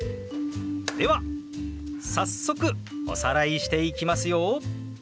では早速おさらいしていきますよ。